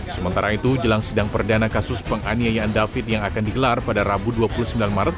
sementara itu jelang sidang perdana kasus penganiayaan david yang akan digelar pada rabu dua puluh sembilan maret